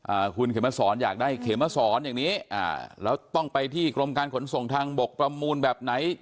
อ่าคุณเขมสอนอยากได้เขมสอนอย่างนี้อ่าแล้วต้องไปที่กรมการขนส่งทางบกประมูลแบบไหน